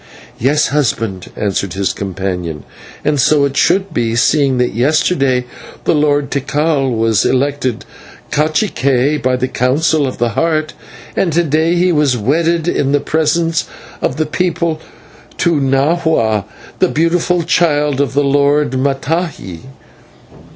"Yes, husband," answered his companion, "and so it should be, seeing that yesterday the Lord Tikal was elected /cacique/ by the Council of the Heart, and to day he was wedded in the presence of the people to Nahua the Beautiful, child of the Lord Mattai."